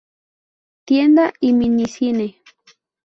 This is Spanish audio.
Tienda y mini cine.